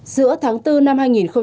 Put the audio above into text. giữa tháng bốn năm hai nghìn hai mươi hai